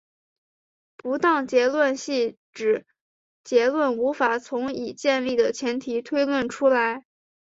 不当结论系指结论无法从已建立的前提推论出来。